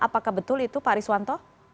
apakah betul itu pak riswanto